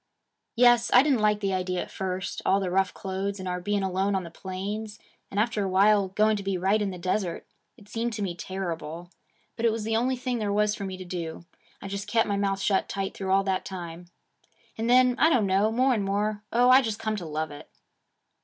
'Yes. I didn't like the idea at first: all the rough clothes, and our being alone on the plains, and after a while going to be right in the desert it seemed to me terrible. But it was the only thing there was for me to do. I just kep' my mouth shut tight through all that time. And then, I don't know, more and more, oh, I just come to love it!'